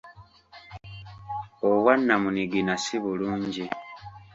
Obwannamunigina si bulungi.